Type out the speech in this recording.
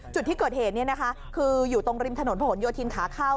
จุดที่เกิดเหตุนี้นะคะคืออยู่ตรงริมถนนผนโยธินขาเข้า